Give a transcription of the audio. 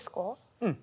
うん。